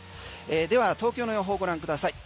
では東京の予報を御覧ください。